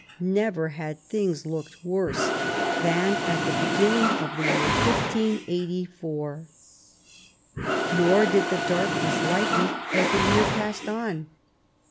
Never had things looked worse than at the beginning of the year 1584. Nor did the darkness lighten as the year passed on.